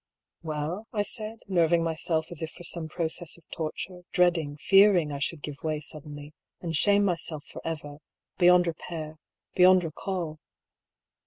" Well ?" I said, nerving myself as if for some process of torture, dreading, fearing I should give away sud denly, and shame myself for ever, beyond repair, beyond recall.